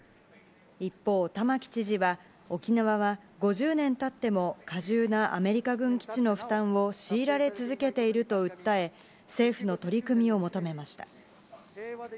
一方、玉城知事は、沖縄は５０年たっても、過重なアメリカ軍基地の負担を強いられ続けていると訴え、政府の取り組みを求めました。